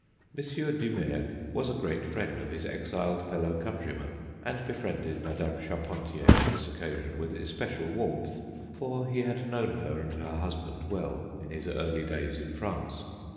M. Dumergue was a great friend of Hs exiled fellow countrymen, and befriended Madame Charpentier on this occasion with especial warmth, for he had known her and her husband well in his early days in France.